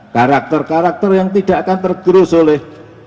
karakter karakter yang tidak akan tergerus oleh